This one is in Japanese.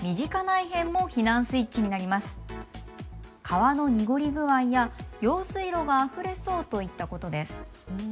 川のにごり具合や用水路があふれそうといったことです。